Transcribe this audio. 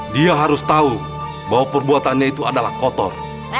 dia harus tahu bahwa perbuatannya itu adalah kotor